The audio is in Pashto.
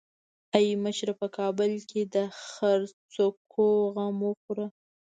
ای مشره په کابل کې د څرخکو غم وخوره.